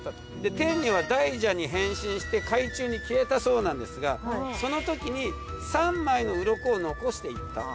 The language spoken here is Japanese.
天女は大蛇に変身して海中に消えたそうなんですがそのときに３枚のうろこを残していった。